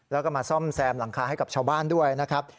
แล้วก็มาซ่อมแซมหลังคาให้กับชาวบ้านด้วยนะครับ